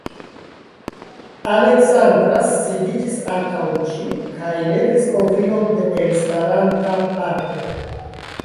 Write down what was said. Aleksandra sidiĝis antaŭ ĝi kaj levis kovrilon de elstaranta parto.